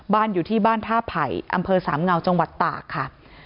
อยู่ที่บ้านท่าไผ่อำเภอสามเงาจังหวัดตากค่ะ